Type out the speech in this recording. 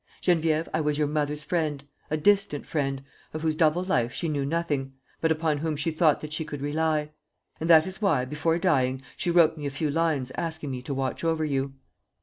"Geneviève, I was your mother's friend, a distant friend, of whose double life she knew nothing, but upon whom she thought that she could rely. And that is why, before dying, she wrote me a few lines asking me to watch over you.